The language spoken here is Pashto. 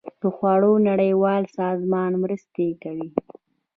د خوړو نړیوال سازمان مرستې کوي